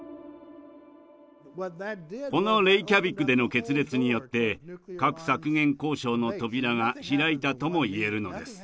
このレイキャビクでの決裂によって核削減交渉の扉が開いたとも言えるのです。